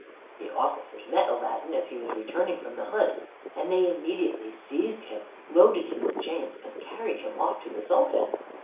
The officers met Aladdin as he was returning from the hunt, and they immediately seized him, loaded him with chains, and carried him off to the Sultan.